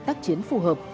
tắc chiến phù hợp